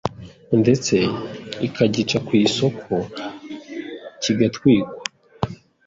ndetse ikagica ku isoko kigatwikwa